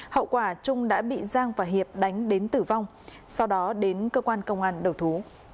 hậu quả trung đã bị giang và hiệp đánh đến tử vong sau đó đến cơ quan công an đầu thú